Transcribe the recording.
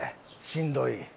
しんどい。